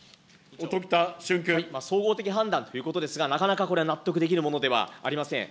総合的判断ということですが、なかなかこれ、納得できるものではありません。